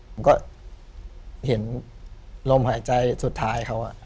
ผมก็เห็นลมหายใจสุดท้ายเขา